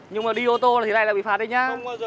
nhưng mà đi ô tô thì này là bị phạt đấy nhá